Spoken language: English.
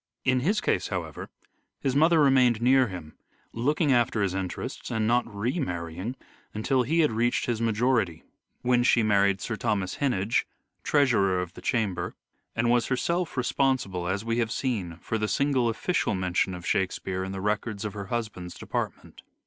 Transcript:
In his case, however, his mother remained near him, looking after his interests and not remarrying until he had reached his majority : when she married Sir Thomas Henneage, Treasurer of the Chamber, and was herself responsible, as we have seen, for the single "official" mention of "Shake speare " in the records of her husband's department.